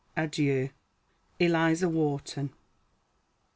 Adieu. ELIZA WHARTON.